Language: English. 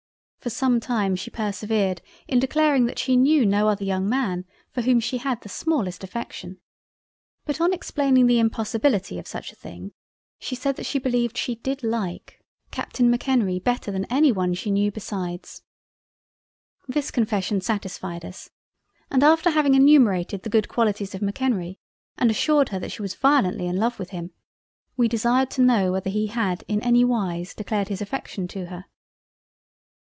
For some time, she persevered in declaring that she knew no other young man for whom she had the the smallest Affection; but upon explaining the impossibility of such a thing she said that she beleived she did like Captain M'Kenrie better than any one she knew besides. This confession satisfied us and after having enumerated the good Qualities of M'Kenrie and assured her that she was violently in love with him, we desired to know whether he had ever in any wise declared his affection to her.